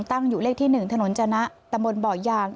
ตั้งอยู่เลขที่๑ถนนจนะตะบนบ่อยาง